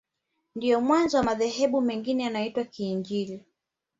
Ndio mwanzo wa madhehebu mengine yanayoitwa ya Kiinjili